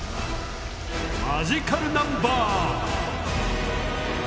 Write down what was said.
マジカルナンバー！